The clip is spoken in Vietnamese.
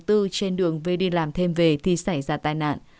trên đường về đi làm thêm về thì xảy ra tai nạn